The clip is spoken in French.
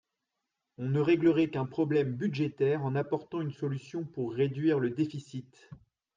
On ne réglerait qu’un problème budgétaire en apportant une solution pour réduire le déficit.